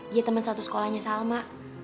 dia temen satu sekolahnya selma